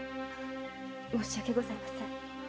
申し訳ございません。